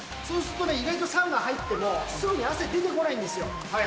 そうするとね、意外とサウナ入っても、すぐに汗出てこないんですよ。